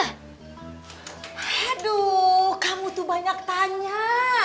aduh kamu tuh banyak tanya